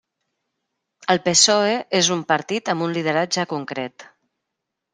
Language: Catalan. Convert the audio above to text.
El PSOE és un partit amb un lideratge concret.